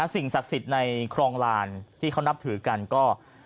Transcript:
สิ่งศักดิ์สิทธิ์ในครองลานที่เขานับถือกันก็